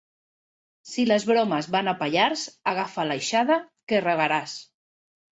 Si les bromes van a Pallars, agafa l'aixada, que regaràs.